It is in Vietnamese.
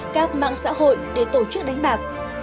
các mạng xã hội để tổ chức đánh bạc